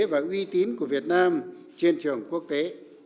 và uy tín của việt nam trên trường quốc tế